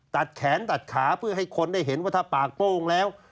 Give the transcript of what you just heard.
ตัดแขนตัดขาเพื่อให้คนได้เห็นว่าถ้าปากโป้งแล้ว